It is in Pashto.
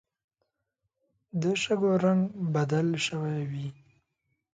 د شګو رنګ بدل شوی وي